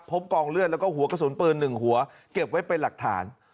กองเลือดแล้วก็หัวกระสุนปืน๑หัวเก็บไว้เป็นหลักฐาน